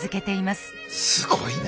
すごいな。